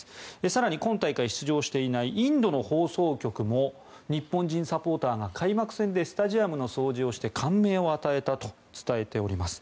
更に、今大会出場していないインドの放送局も日本人サポーターが開幕戦でスタジアムの掃除をして感銘を与えたと伝えております。